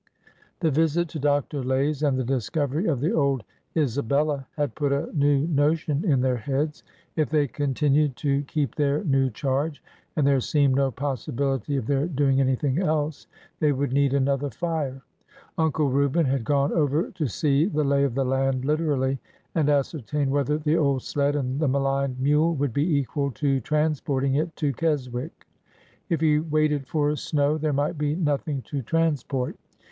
The visit to Dr. Lay's and the discovery of the old '' Isa bella " had put a new notion in their heads. If they con tinued to keep their new charge — and there seemed no possibility of their doing anything else— they would need another fire. Uncle Reuben had gone over to see the lay of the land literally and ascertain whether the old sled and the maligned mule would be equal to transporting it to Keswick. If he waited for snow there might be nothing to transport.